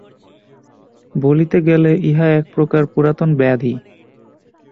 বলিতে গেলে ইহা একপ্রকার পুরাতন ব্যাধি।